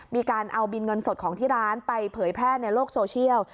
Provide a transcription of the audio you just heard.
มีการเอาบินเงินสดของที่ร้านไปเผยแพร่ในโลกโซเชียล